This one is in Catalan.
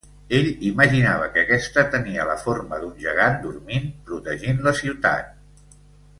Ell imaginava que aquesta tenia la forma d'un gegant dormint protegint la ciutat.